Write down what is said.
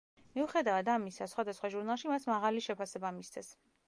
მიუხედავად ამისა, სხვადასხვა ჟურნალში მას მაღალი შეფასება მისცეს.